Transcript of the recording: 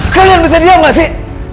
kalian bisa diam gak sih